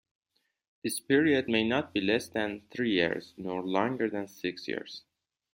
This period may not be less than three years nor longer than six years.